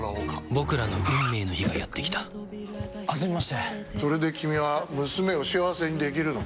僕らの運命の日がやってきた初めましてそれで君は娘を幸せにできるのか？